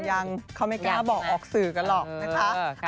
ยังเขาไม่กล้าบอกออกสื่อกันหรอกนะคะ